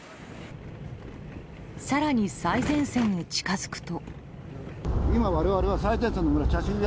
更に、最前線へ近づくと。